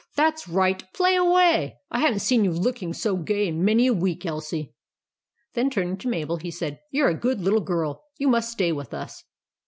"THAT'S RIGHT, PLAY AWAY! I HAVE NT SEEN YOU LOOKING SO GAY IN MANY A WEEK, ELSIE:' Then turning to Mabel, he said : "YOU'RE A GOOD LITTLE GIRL. YOU MUST STAY WITH US."